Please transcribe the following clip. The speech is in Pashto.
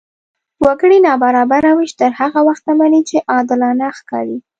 وګړي نابرابره وېش تر هغه وخته مني، چې عادلانه ښکاري.